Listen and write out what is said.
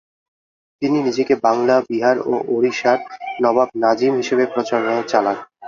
তিনি নিজেকে বাংলা বিহার ও ওড়িশার নবাব নাজিম হিসেবে প্রচারণা চালান।